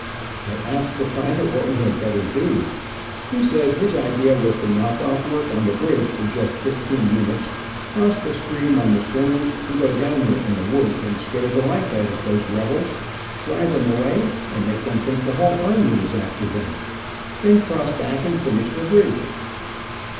I asked the private what we had better do. He said his idea was to knock off work on the bridge for just fifteen minutes, cross the stream on the stringers, and go down there in the woods and scare the life out of those rebels, drive them away, and make them think the whole army was after them, then cross back and finish the bridge.